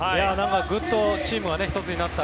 ぐっとチームが１つになった。